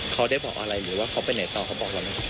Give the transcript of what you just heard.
เขาได้บอกอะไรหรือว่าเขาไปไหนต่อเขาบอกเราไหมครับ